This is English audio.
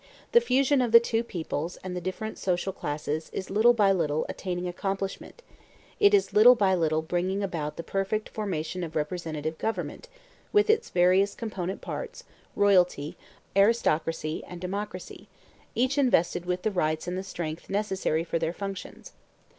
The fusion of the two peoples and the different social classes is little by little attaining accomplishment; it is little by little bringing about the perfect formation of representative government with its various component parts, royalty, aristocracy, and democracy, each invested with the rights and the strength necessary for their functions.